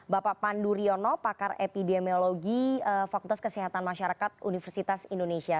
bapak pandu riono pakar epidemiologi fakultas kesehatan masyarakat universitas indonesia